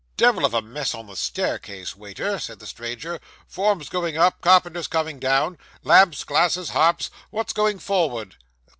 'Devil of a mess on the staircase, waiter,' said the stranger. 'Forms going up carpenters coming down lamps, glasses, harps. What's going forward?